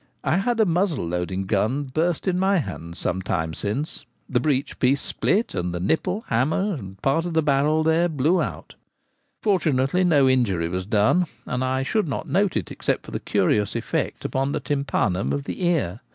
I had a muzzle loading gun burst in my hands Bursting a Gun. 203. sonie time since: the breech piece split, and the nipple, hammer, and part of the barrel there blew out. Fortunately no injury was done ; and I should not note it except for the curious effect upon the tympanum of the ear.